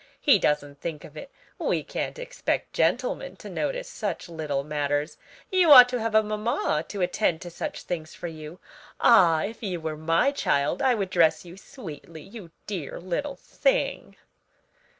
He doesn't think of it; we can't expect gentlemen to notice such little matters; you ought to have a mamma to attend to such things for you. Ah! if you were my child, I would dress you sweetly, you dear little thing!"